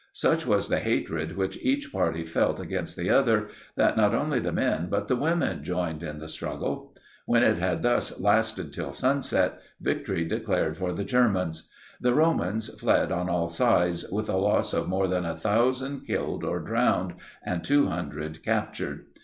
Such was the hatred which each party felt against the other, that not only the men but the women joined in the struggle. When it had thus lasted till sunset, victory declared for the Germans. The Romans fled on all sides with a loss of more than 1000 killed or drowned, and 200 captured.